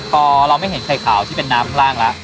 พอเราไม่เห็นไข่ขาวที่เป็นน้ำข้างล่างแล้ว